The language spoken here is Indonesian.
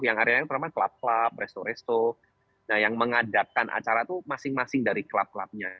yang area yang pertama klub klub resto resto yang mengadapkan acara itu masing masing dari klub klubnya